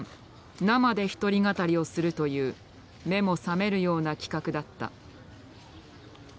生で一人語りをするという目も覚めるような企画だった。